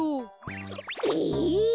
え！？